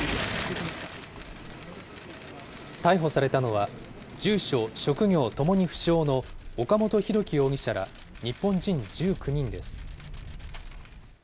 逮捕されたのは、住所、職業ともに不詳の岡本大樹容疑者ら日本人１９人です。